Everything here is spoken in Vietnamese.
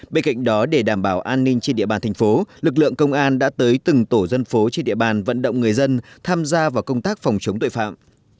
bên cạnh đó để đảm bảo an ninh trên địa bàn thành phố lực lượng công an đã tới từng tổ dân phố trên địa bàn vận động người dân tham gia vào công tác phòng chống tội phạm